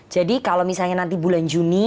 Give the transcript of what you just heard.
jadi kalau misalnya nanti bulan juni